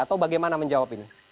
atau bagaimana menjawab ini